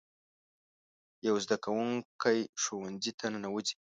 یو زده کوونکی ښوونځي ته ننوځي.